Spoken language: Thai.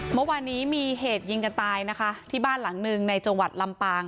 เมื่อวานนี้มีเหตุยิงกันตายนะคะที่บ้านหลังหนึ่งในจังหวัดลำปาง